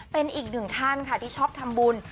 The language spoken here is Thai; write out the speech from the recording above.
เป็นอีกหนึ่งท่านค่ะที่ชอบทำบุญ